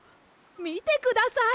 みてください！